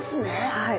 はい。